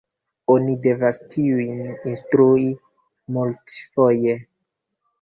Oni devas tiujn instrui multfoje.